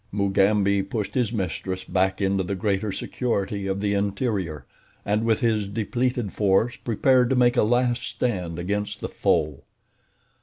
Mugambi pushed his mistress back into the greater security of the interior, and with his depleted force prepared to make a last stand against the foe.